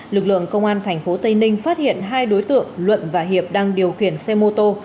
lực lượng công an tp tây ninh phát hiện hai đối tượng luận và hiệp đang điều khiển xe mô tô